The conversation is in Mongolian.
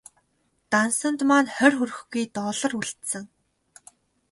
Дансанд маань хорь хүрэхгүй доллар үлдсэн.